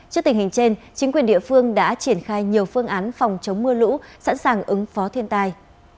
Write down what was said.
trước tình hình trên chính quyền địa phương đã triển khai nhiều phương án phòng chống mưa lũ sẵn sàng ứng phó thiên tai